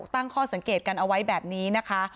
ตั้งข้อสังเกตกันเอาไว้แบบนี้นะคะ